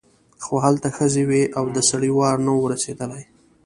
خو هلته ښځې وې او د سړي وار نه و رسېدلی.